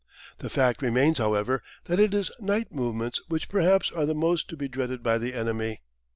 The fact remains, however, that it is night movements which perhaps are the most to be dreaded by the enemy.